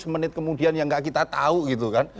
semenit kemudian yang enggak kita tahu gitu kan